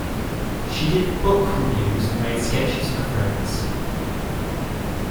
She did book reviews and made sketches for friends.